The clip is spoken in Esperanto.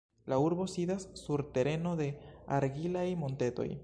La urbo sidas sur tereno de argilaj montetoj.